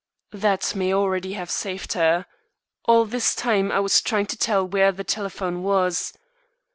That may already have saved her. All this time I was trying to tell where the telephone was.